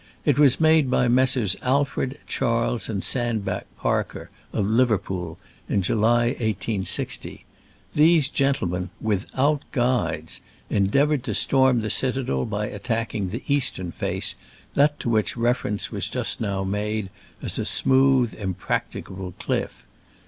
It was made by Messrs. Alfred, Charles and Sandbach Parker, of Liverpool, in July, i860. These gentlemen, without guides, endeavored to storm the citadel by attacking the eastern face, that to which reference was just now made as a smooth, im practicable cliff.